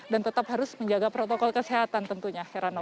dan tetap harus menjaga protokol kesehatan tentunya heranop